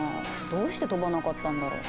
どうして飛ばなかったんだろう。